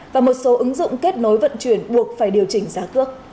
và một số ứng dụng kết nối vận chuyển buộc phải điều chỉnh giá cước